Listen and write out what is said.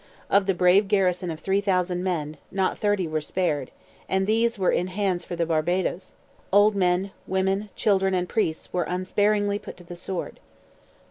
Of the brave garrison of 3,000 men, not thirty were spared, and these, "were in hands for the Barbadoes;" old men, women, children and priests, were unsparingly put to the sword.